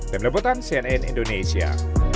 demi lebutan cnn indonesia